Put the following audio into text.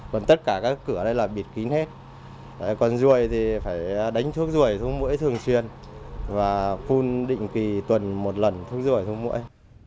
còn tất cả các cửa đây là bịt kín hết còn ruồi thì phải đánh thuốc ruồi thuốc muỗi thường xuyên và phun định kỳ tuần một lần thuốc ruồi thuốc muỗi